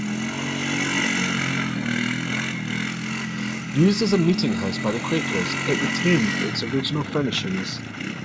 Used as a meeting house by the Quakers, it retains its original furnishings.